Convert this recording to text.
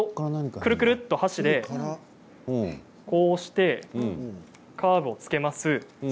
くるくると箸でこうしてカーブをつけます。